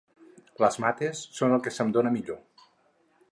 Les mates són el que se'm dona millor.